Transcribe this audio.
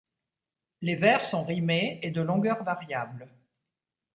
Les vers sont rimés et de longueur variable.